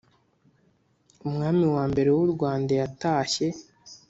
umwami wa mbere wu Rwanda yatashye